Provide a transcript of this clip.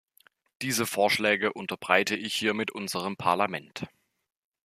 Diese Vorschläge unterbreite ich hiermit unserem Parlament.